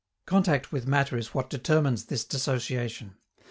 Contact with matter is what determines this dissociation.